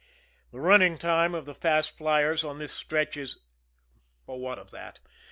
The running time of the fast fliers on this stretch is but what of that?